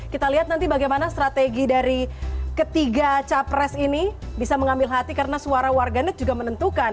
kita lihat nanti bagaimana strategi dari ketiga capres ini bisa mengambil hati karena suara warganet juga menentukan